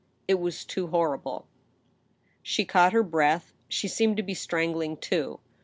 It was too horrible. She caught her breath. She seemed to be strangling, too.